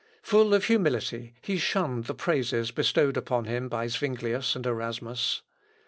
Full of humility, he shunned the praises bestowed upon him by Zuinglius and Erasmus.